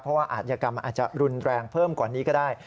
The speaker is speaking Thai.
เพราะว่าอาจยกรรมมันอาจจะรุนแรงเพิ่มกว่านี้ก็ได้